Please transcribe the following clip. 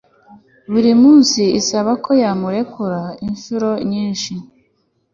buri munsi isaba ko yamurekura inshuro nyinshi